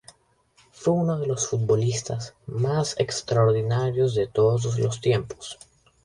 Fue uno de los futbolistas más extraordinarios de todos los tiempos.